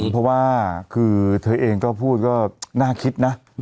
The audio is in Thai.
เพราะว่าคือเธอเองก็พูดก็น่าคิดนะ